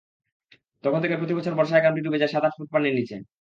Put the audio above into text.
তখন থেকে প্রতিবছর বর্ষায় গ্রামটি ডুবে যায় সাত-আট ফুট পানির নিচে।